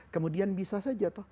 kemudian bisa saja